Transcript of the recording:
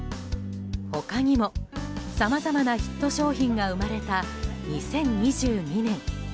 他にも、さまざまなヒット商品が生まれた２０２２年。